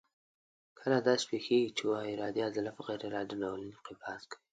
کله داسې پېښېږي چې یوه ارادي عضله په غیر ارادي ډول انقباض کوي.